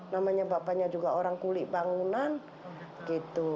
namanya bapaknya juga orang kulik bangunan gitu